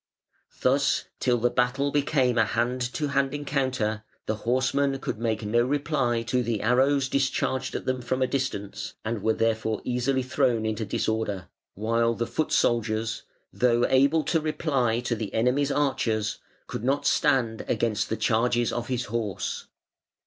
Thus till the battle became a hand to hand encounter the horsemen could make no reply to the arrows discharged at them from a distance, and were therefore easily thrown into disorder, while the foot soldiers, though able to reply to the enemy's archers, could not stand against the charges of his horse".